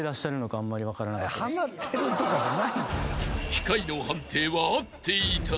［機械の判定は合っていた］